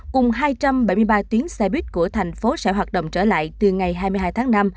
cùng hai trăm bảy mươi ba tuyến xe buýt của thành phố sẽ hoạt động trở lại từ ngày hai mươi hai tháng năm